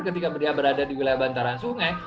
ketika dia berada di wilayah bantaran sungai